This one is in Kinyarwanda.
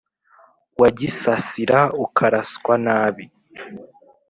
Wagisasira ukaraswa nabi